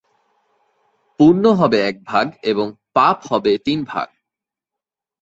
পুণ্য হবে এক ভাগ এবং পাপ হবে তিন ভাগ।